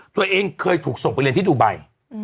ตัวเองเคยถูกส่งไปเรียนที่ดูไบ